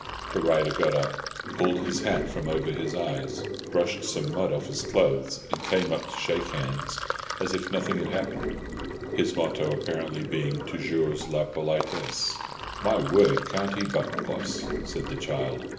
The rider got up, pulled his hat from over his eyes, brushed some mud off his clothes, and came up to shake hands as if nothing had happened; his motto apparently being toujours la politesse. "My word, can't he buck, Poss!" said the child.